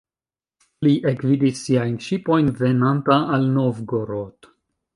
Li ekvidis siajn ŝipojn venanta al Novgorod.